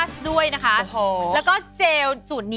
ผลิตจากอร์แกนิกและน้ำมะพร้าวบริสุทธิ์